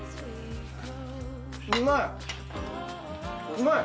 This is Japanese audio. うまい。